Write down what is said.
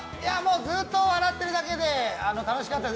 ずっと笑ってるだけで楽しかったです。